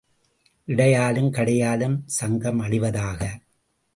இடையாலும் கடையாலும் சங்கம் அழிவதாக.